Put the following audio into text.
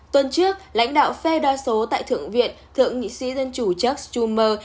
tuần trước lãnh đạo phê đo số tại thượng viện thượng nghị sĩ dân chủ chuck schumer